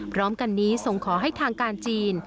พร้อมกันนี้ส่งขอให้ทางการจีน